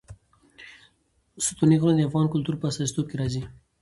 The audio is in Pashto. ستوني غرونه د افغان کلتور په داستانونو کې راځي.